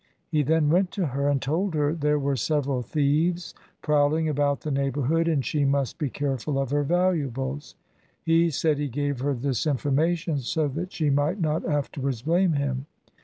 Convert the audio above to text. He then went to her and told her there were several thieves prowling about the neighbourhood, and she must be careful of her valuables. He said he gave her this information so that she might not afterwards blame him.